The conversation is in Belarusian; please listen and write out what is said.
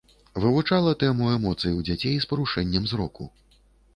Вывучала тэму эмоцый у дзяцей з парушэннем зроку.